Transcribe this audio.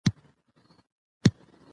راځئ چې د رښتيا په لور ګام واخلو.